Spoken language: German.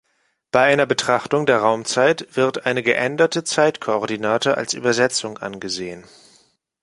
Bei einer Betrachtung der Raumzeit wird eine geänderte Zeitkoordinate als Übersetzung angesehen.